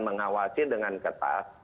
mengawasi dengan ketat